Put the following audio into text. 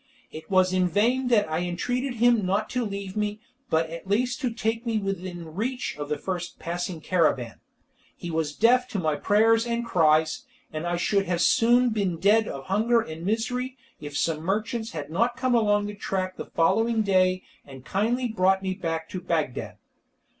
It was in vain that I entreated him not to leave me, but at least to take me within reach of the first passing caravan. He was deaf to my prayers and cries, and I should soon have been dead of hunger and misery if some merchants had not come along the track the following day and kindly brought me back to Bagdad.